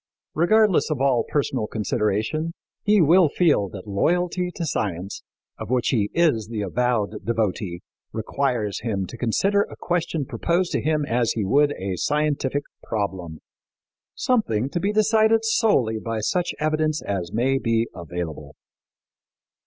Regardless of all personal consideration, he will feel that loyalty to science, of which he is the avowed devotee, requires him to consider a question proposed to him as he would a scientific problem something to be decided solely by such evidence as may be available.